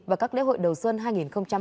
và các lễ hội đầu xuân hai nghìn hai mươi bốn